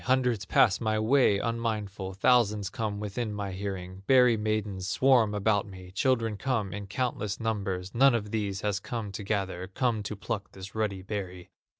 Hundreds pass my way unmindful, Thousands come within my hearing, Berry maidens swarm about me, Children come in countless numbers, None of these has come to gather, Come to pluck this ruddy berry."